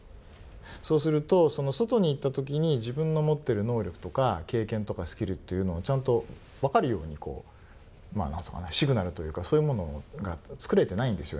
そうすると、外に行ったときに自分の持ってる能力とか経験とかスキルっていうのをちゃんと分かるようにシグナルというかそういうものが作れてないんですよ